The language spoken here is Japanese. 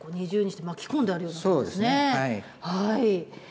二重にして巻き込んであるようなんですね。